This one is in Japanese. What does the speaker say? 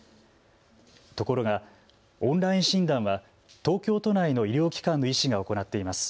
ところがオンライン診断は東京都内の医療機関の医師が行っています。